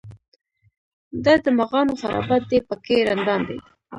دا د مغانو خرابات دی په کې رندان دي.